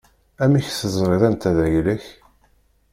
Amek teẓriḍ anta d ayla-k?